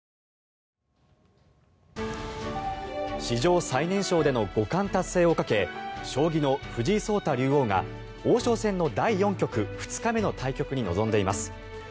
史上最年少での五冠達成をかけ将棋の藤井聡太竜王が王将戦の第４局２日目の対局に臨んでいます。